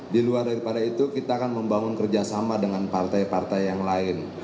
di luar daripada itu kita akan membangun kerjasama dengan partai partai yang lain